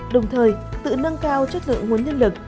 đồng thời tự nâng cao chất lượng nguồn nhân lực